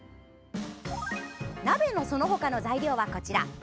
鍋のその他の材料は、こちら。